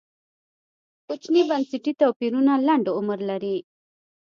کوچني بنسټي توپیرونه لنډ عمر لري.